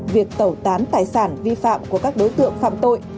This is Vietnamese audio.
việc tẩu tán tài sản vi phạm của các đối tượng phạm tội